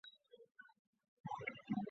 莲录制的多张专辑得到好评。